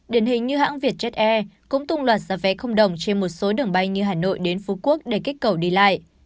điển hình như hãng vietjet air cũng tung loạt giá vé không đồng trên một số đường bay như hà nội đến phú quốc để kích cầu đi lại